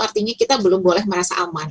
artinya kita belum boleh merasa aman